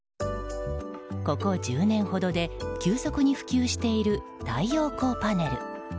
ここ１０年ほどで急速に普及している太陽光パネル。